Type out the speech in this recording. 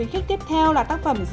tức là ba chữ cảm